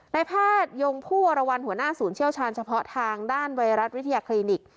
แพทยงผู้วรวรรณหัวหน้าศูนย์เชี่ยวชาญเฉพาะทางด้านไวรัสวิทยาคลินิก